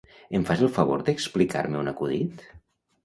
Em fas el favor d'explicar-me un acudit?